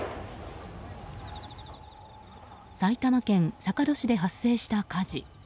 埼玉県坂戸市で発生した火事。